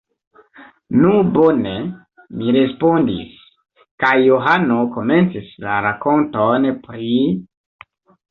Nu, bone! mi respondis, kaj Johano komencis la rakonton pri: